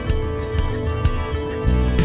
tak dit organise bahaya